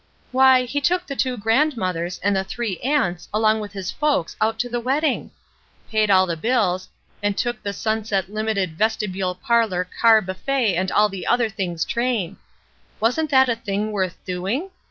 ''Why, he took the two grandmothers and the three aunts along with his folks out to the wedding ! Paid all the bills, and took the sun set limited vestibule parlor car buffet and all the other things train. Wasn't that a thing worth doing?